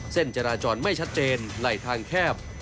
เส้นจราจรไม่ชัดเจนไหลทางแคบ